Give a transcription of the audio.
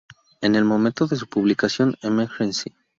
En el momento de su publicación, "Emergency!